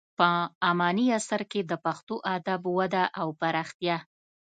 په اماني عصر کې د پښتو ادب وده او پراختیا.